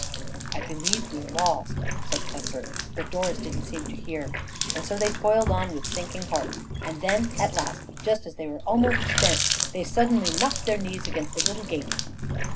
"I believe we're lost," said Cuthbert, but Doris didn't seem to hear, and so they toiled on with sinking hearts, and then at last, just as they were almost spent, they suddenly knocked their knees against a little gate.